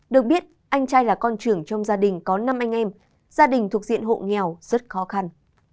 được biết anh trai là con trưởng trong gia đình có năm anh em gia đình thuộc diện hộ nghèo rất khó khăn